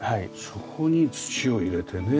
そこに土を入れてね。